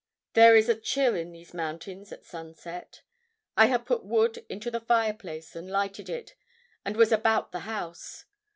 There is a chill in these mountains at sunset. I had put wood into the fireplace, and lighted it, and was about the house.